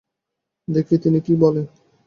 দেখি তিনি কী বলেন।